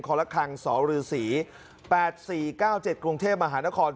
คอละคังสหรือศรี๘๔๙๗กรุงเทพฯมหานคร